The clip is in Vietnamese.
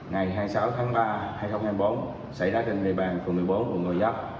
ngày hai mươi sáu tháng ba hai nghìn hai mươi bốn xảy ra trên địa bàn phường một mươi bốn quận ngòi dắp